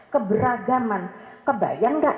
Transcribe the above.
keberagaman kebayang nggak